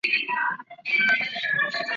她父亲黄善兴在附近经营一家洗衣店。